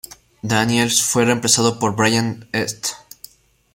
Daniels fue remplazado por Brian St.